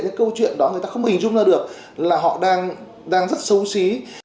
cái câu chuyện đó người ta không hình dung ra được là họ đang rất xấu xí